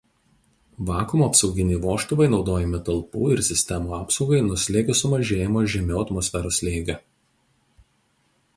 Vakuumo apsauginiai vožtuvai naudojami talpų ir sistemų apsaugai nuo slėgio sumažėjimo žemiau atmosferos slėgio.